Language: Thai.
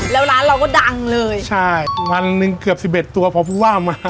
แล้วร้านเราก็ดังเลยใช่วันหนึ่งเกือบสิบเอ็ดตัวพอผู้ว่ามา